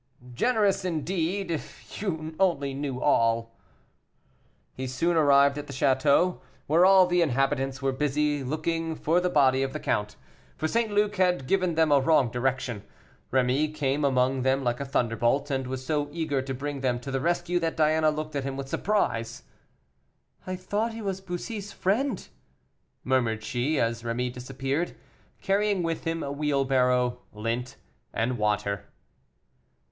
"Generous, indeed, if you only knew all." He soon arrived at the château, where all the inhabitants were busy looking for the body of the count; for St. Luc had given them a wrong direction. Rémy came among them like a thunderbolt, and was so eager to bring them to the rescue, that Diana looked at him with surprise, "I thought he was Bussy's friend," murmured she, as Rémy disappeared, carrying with him a wheelbarrow, lint and water.